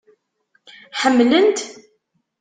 Ḥemmlen-t?